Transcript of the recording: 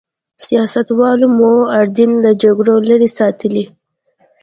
سیاستوالو مو اردن له جګړو لرې ساتلی.